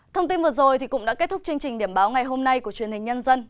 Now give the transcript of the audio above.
thông tin vừa rồi cũng đã kết thúc chương trình điểm báo ngày hôm nay của truyền hình nhân dân